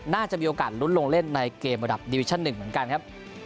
น่าจะมีโอกาสลุ้นลงเล่นในเกมระดับดิวิชั่น๑เหมือนกันครับ